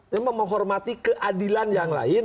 memang menghormati keadilan yang lain